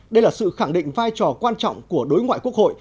đây là sự khẳng định vai trò quan trọng của đối ngoại quốc hội